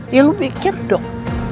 ya lo mikir dong